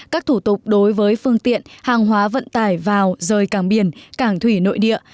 các thủ tục đối với phương tiện hàng hóa vận tải vào rời cảng biển cảng thủy nội địa